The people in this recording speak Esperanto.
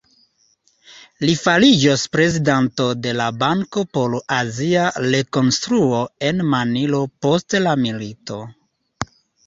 Li fariĝos prezidanto de la Banko por Azia Rekonstruo en Manilo post la milito.